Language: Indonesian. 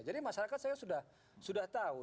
jadi masyarakat saya sudah tahu